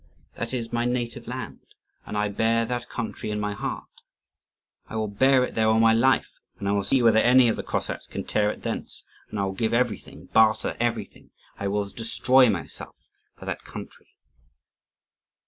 That is my native land, and I bear that country in my heart. I will bear it there all my life, and I will see whether any of the Cossacks can tear it thence. And I will give everything, barter everything, I will destroy myself, for that country!"